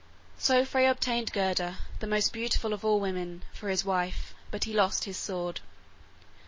So Frey obtained Gerda, the most beautiful of all women, for his wife, but he lost his sword.